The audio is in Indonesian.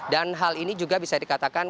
dan hal ini juga bisa dikatakan